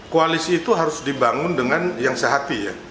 koalisi itu harus dibangun dengan yang sehati ya